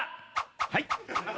はい！